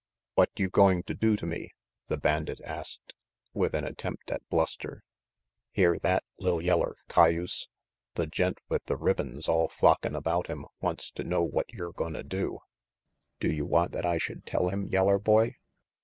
"What you going to do to me?" the bandit asked, with an attempt at bluster. "Hear that, li'l yeller cay use? The gent with the ribbons all flockin' about him wants to know what yer gonna do. Do you want that I should tell him, yeller boy?